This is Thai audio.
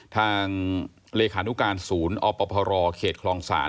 ทางเลขานุการศูนย์อพรเขตคลองศาล